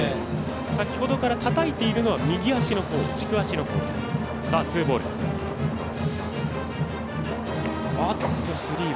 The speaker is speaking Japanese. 先ほどからたたいているのは右足のほう軸足の方です。